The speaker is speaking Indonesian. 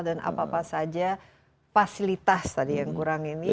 dan apa apa saja fasilitas tadi yang kurang ini